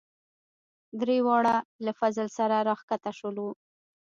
دریواړه له فضل سره راکښته شولو.